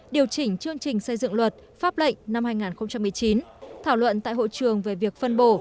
điều chỉnh chương trình xây dựng luật pháp lệnh năm hai nghìn một mươi chín thảo luận tại hội trường về việc phân bổ